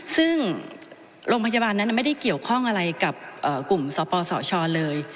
ซึ่งโรงพยาบาลนั้นไม่ได้เกี่ยวข้องอะไรกับกลุ่มสปสชเลย